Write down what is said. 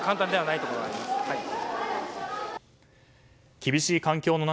厳しい環境の中